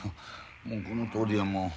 もうこのとおりやもう。